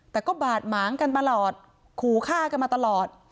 แต่ก็บาดหมางกันตลอดขู่ฆ่ากันมาตลอด